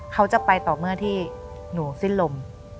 เขาจะไปต่อเมื่อที่หนูสิ้นลม